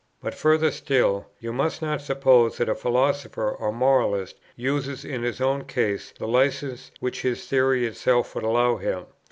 But further still: you must not suppose that a philosopher or moralist uses in his own case the licence which his theory itself would allow him.